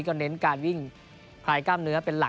ก็เน้นการวิ่งคลายกล้ามเนื้อเป็นหลัก